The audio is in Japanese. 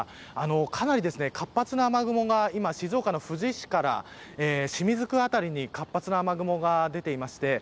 かなり活発な雨雲が静岡の富士市から清水区辺りに活発な雨雲が出ています。